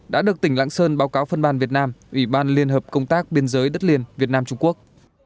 đã được tỉnh lạng sơn báo cáo phân ban việt nam ủy ban liên hợp công tác biên giới đất liền việt nam trung quốc